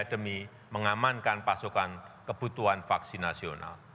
demi mengamankan pasokan kebutuhan vaksin nasional